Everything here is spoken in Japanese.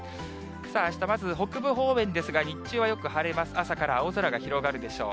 さあ、あしたまず北部方面ですが、日中はよく晴れます、朝から青空が広がるでしょう。